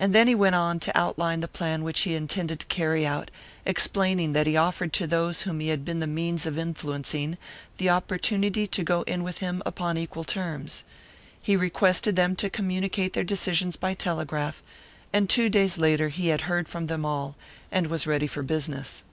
And then he went on to outline the plan which he intended to carry out, explaining that he offered to those whom he had been the means of influencing, the opportunity to go in with him upon equal terms. He requested them to communicate their decisions by telegraph; and two days later he had heard from them all, and was ready for business.